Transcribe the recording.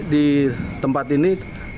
di tempat ini